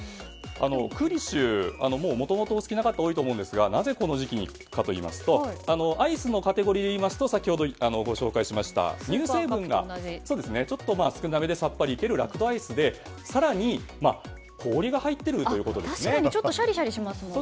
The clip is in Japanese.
クーリッシュ、もともとお好きな方多いと思いますがなぜこの時期かといいますとアイスのカテゴリーでいいますと先ほどご紹介しました乳成分がちょっと少なめでさっぱりだけど、ラクトアイスで氷が入っているということでちょっとシャリシャリしますもんね。